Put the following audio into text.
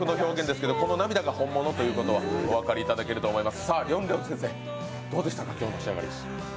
ちょっとまあ、独特の表現ですけどこの涙が本物ということはお分かりいただけると思います。